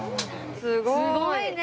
すごいね！